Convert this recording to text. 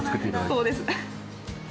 そうです。